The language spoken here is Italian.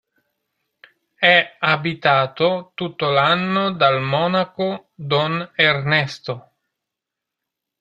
È abitato tutto l'anno dal monaco don Ernesto.